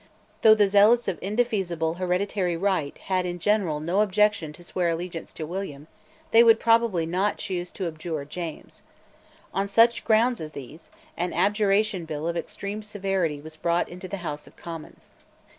Though the zealots of indefeasible hereditary right had in general no objection to swear allegiance to William, they would probably not choose to abjure James. On such grounds as these, an Abjuration Bill of extreme severity was brought into the House of Commons.